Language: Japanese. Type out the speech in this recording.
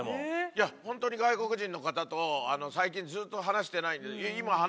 いや本当に外国人の方と最近ずっと話してないんで今話したよね？